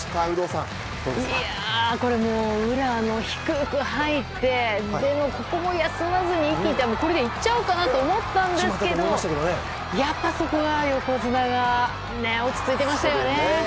宇良も低く入って、どこも休まずに一気にいっちゃうかなと思ったんですけどやっぱりそこは横綱が落ち着いていましたよね。